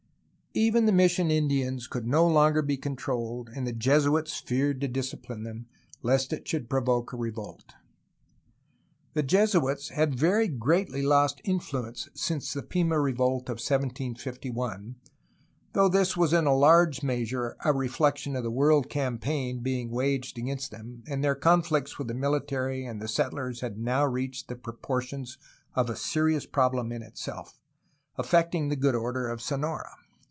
Even the mission Indians could no longer be controlled, and the Jesuits feared to discipline them, lest it should pro voke a revolt. 204 A HISTORY OF CALIFORNIA The Jesuits had very greatly lost influence since the Pima revolt of 1751, though this was in large measure a reflection of the world campaign being waged against them, and their conflicts with the military and the settlers had now reached the proportions of a serious problem in itself, affecting the good order of Sonora.